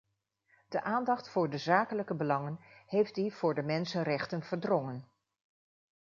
De aandacht voor de zakelijke belangen heeft die voor de mensenrechten verdrongen.